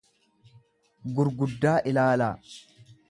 gurguddaa ilaalaa.